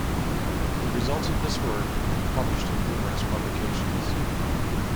The results of this work, he published in numerous publications.